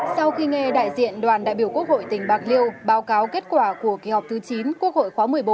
sau khi nghe đại diện đoàn đại biểu quốc hội tỉnh bạc liêu báo cáo kết quả của kỳ họp thứ chín quốc hội khóa một mươi bốn